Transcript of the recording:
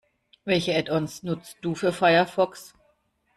Welche Add-ons nutzt du für Firefox?